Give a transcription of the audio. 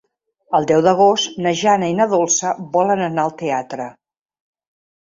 El deu d'agost na Jana i na Dolça volen anar al teatre.